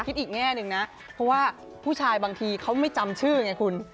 อีกแง่หนึ่งนะเพราะว่าผู้ชายบางทีเขาไม่จำชื่อไงคุณ